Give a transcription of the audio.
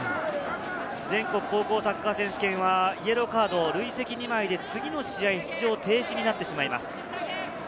全国高校サッカー選手権は、イエローカード累積２枚で次の試合、出場停止になってしまいます。